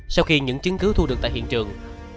sau khi những chứng cứ thu được tại hiện trường